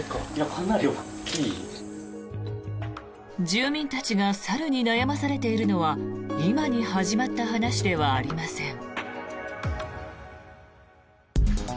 住民たちが猿に悩まされているのは今に始まった話ではありません。